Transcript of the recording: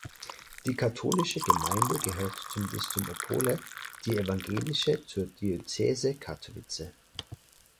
Die katholische Gemeinde gehört zum Bistum Opole, die evangelische zur Diözese Katowice.